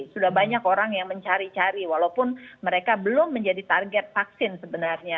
sudah banyak orang yang mencari cari walaupun mereka belum menjadi target vaksin sebenarnya